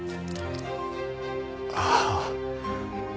ああ。